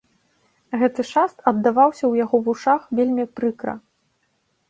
Гэты шаст аддаваўся ў яго вушах вельмі прыкра.